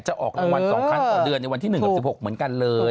ออกรางวัล๒ครั้งต่อเดือนในวันที่๑กับ๑๖เหมือนกันเลย